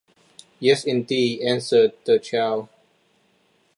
"Yes, indeed;" answered the child.